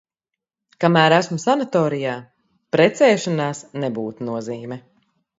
Kamēr esmu sanatorijā – precēšanās nebūtu nozīme.